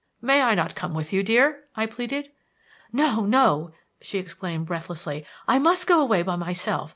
"May I not come with you, dear?" I pleaded. "No, no!" she exclaimed breathlessly; "I must go away by myself.